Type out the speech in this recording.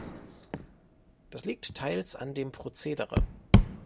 Das liegt teils an dem Prozedere.